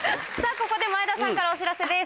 ここで前田さんからお知らせです。